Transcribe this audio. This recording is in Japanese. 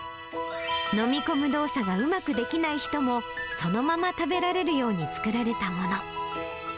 飲み込む動作がうまくできない人も、そのまま食べられるように作られたもの。